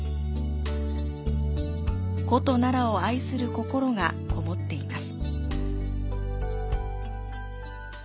古都奈良を愛する心がこもっています。